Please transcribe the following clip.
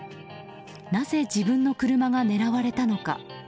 なぜ自分の車が狙われたのか。